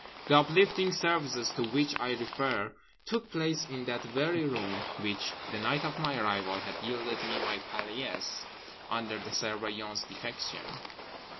The uplifting services to which I refer took place in that very room which (the night of my arrival) had yielded me my paillasse under the Surveillant's direction.